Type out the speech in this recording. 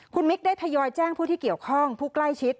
คุณมิกได้ทยอยแจ้งผู้ที่เกี่ยวข้องผู้ใกล้ชิด